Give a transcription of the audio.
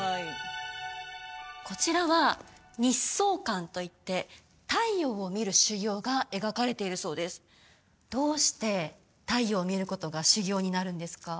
こちらは「日想観」といって太陽を見る修行が描かれているそうですどうして太陽を見ることが修行になるんですか？